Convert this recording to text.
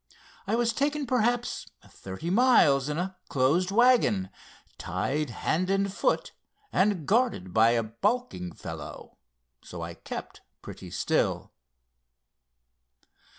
I was taken perhaps thirty miles in a closed wagon, tied hand and foot, and guarded by a balking fellow, so I kept pretty still."